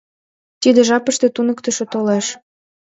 Тиде жапыште туныктышо толеш.